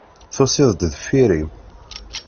Tusiḍ-d deffir-iw.